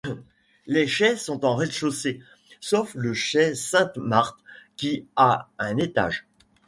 Les chais sont en rez-de-chaussée sauf le chai Sainte-Marthe qui a un étage.